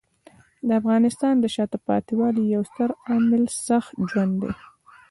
د افغانستان د شاته پاتې والي یو ستر عامل سخت ژوند دی.